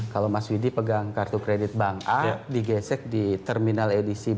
kalau mas widi pegang kartu kredit bank a digesek di terminal edisi b